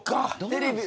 テレビ